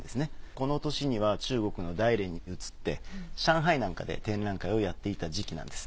この年には中国の大連に移って上海なんかで展覧会をやっていた時期なんです。